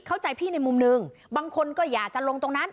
เข้าใจพี่ในมุมหนึ่งบางคนก็อยากจะลงตรงนั้น